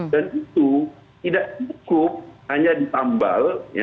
dan itu tidak cukup hanya ditambal